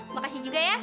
makasih juga ya